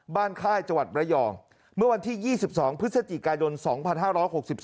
ค่ายจังหวัดระยองเมื่อวันที่๒๒พฤศจิกายน๒๕๖๒